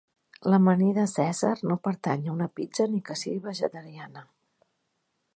L'amanida cèsar no pertany a una pizza ni que sigui vegetariana.